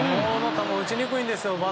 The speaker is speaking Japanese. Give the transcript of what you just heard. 打ちにくいんですよ。